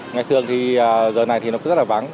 ngày thường thì giờ này thì nó cứ rất là vắng